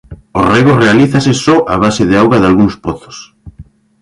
O rego realízase só a base de auga dalgúns pozos.